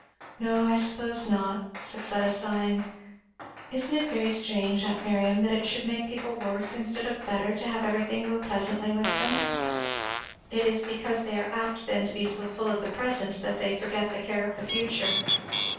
"No, I suppose not," said Fleda sighing. "Isn't it very strange, aunt Miriam, that it should make people worse instead of better to have everything go pleasantly with them?" "It is because they are apt then to be so full of the present that they forget the care of the future."